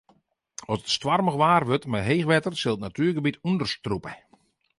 As it stoarmich waar wurdt mei heech wetter sil it natuergebiet ûnderstrûpe.